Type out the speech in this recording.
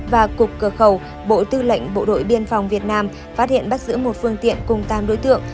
và cục cửa khẩu bộ tư lệnh bộ đội biên phòng việt nam phát hiện bắt giữ một phương tiện cùng tám đối tượng